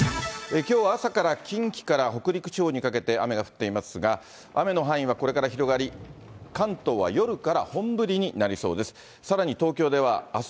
きょう朝から近畿から北陸地方にかけて雨が降っていますが、雨の範囲はこれから広がり、関東は夜から本降りになりそうです。